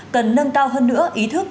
cần nâng cao hơn nữa ý thức